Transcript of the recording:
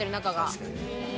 確かに。